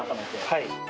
はい。